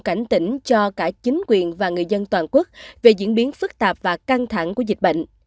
cảnh tỉnh cho cả chính quyền và người dân toàn quốc về diễn biến phức tạp và căng thẳng của dịch bệnh